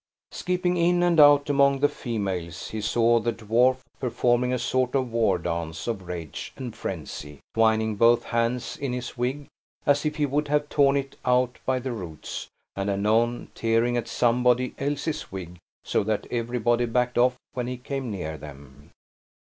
Skipping in and out among the females he saw the dwarf, performing a sort of war dance of rage and frenzy; twining both hands in his wig, as if he would have torn it out by the roots, and anon tearing at somebody else's wig, so that everybody backed off when he came near them.